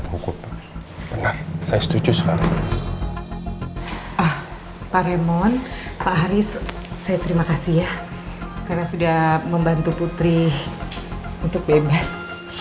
terima kasih ya karena sudah membantu putri untuk bebas